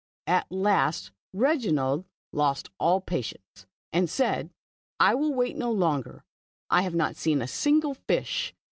At last Reginald lost all patience, and said, " I will wait no longer, I have not seen a single fish."